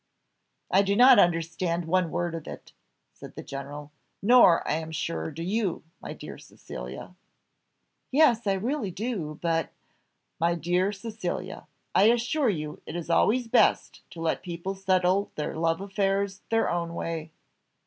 "I do not understand one word of it," said the general; "nor I am sure do you, my dear Cecilia." "Yes, I really do, but " "My dear Cecilia, I assure you it is always best to let people settle their love affairs their own way."